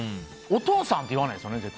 お父さんって言わないですよね